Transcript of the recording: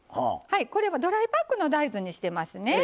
これはドライパックの大豆にしてますね。